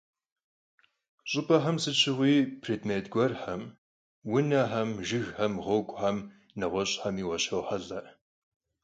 Ş'ıp'exem sıt şığui prêdmêt guerxem — vunexem, jjıgxem, ğueguxem, neğueş'xemi vuaşrohelh'e.